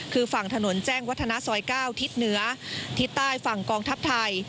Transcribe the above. คือฝั่งถนนแจ้งวัฒนาซอย๙ทิศเหนือทิศใต้ฝั่งกองทัพไทย